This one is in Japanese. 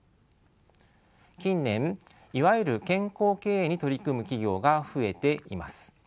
近年いわゆる健康経営に取り組む企業が増えています。